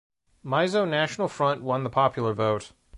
Mizo National Front won the popular vote.